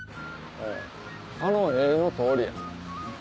あの絵の通りや。